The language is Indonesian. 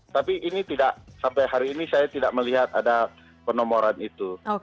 tapi ini tidak sampai hari ini saya tidak melihat ada penomoran itu